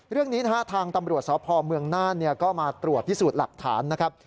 เรื่องนี้นะฮะทางตำรวจสพเมืองน่านก็มาตรวจพิสูจน์หลักฐานนะครับ